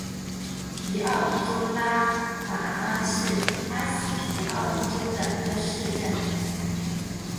皮奥伊州拉戈阿是巴西皮奥伊州的一个市镇。